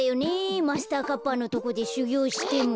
マスターカッパーのとこでしゅぎょうしても。